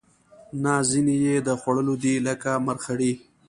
نه ځینې یې د خوړلو دي لکه مرخیړي